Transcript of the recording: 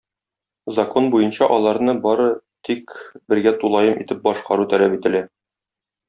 Закон буенча аларны бары тик бергә тулаем итеп башкару таләп ителә.